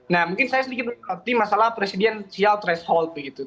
nah mungkin saya sedikit mengerti masalah presidensial threshold begitu